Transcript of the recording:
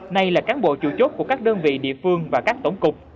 nay là cán bộ chủ chốt của các đơn vị địa phương và các tổng cục